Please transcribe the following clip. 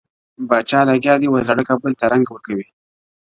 o پاچا لگیا دی وه زاړه کابل ته رنگ ورکوي.